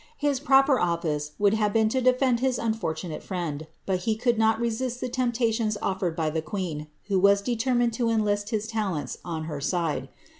His proper olljce would have been to defend his unfortunate friend, bul he could not resist ihe temptations offered by the queen, who was determined lo enlist his talents on her side.